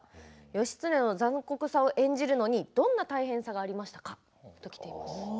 義経の残酷さを演じるのにどんな大変さがありましたか？